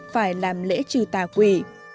phải làm lễ trừ tà quỷ